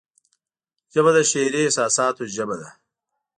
ژبه د شعري احساساتو ژبه ده